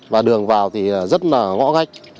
và đường vào thì rất là ngõ gách